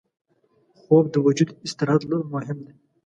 خوب د وجود استراحت ته مهم دی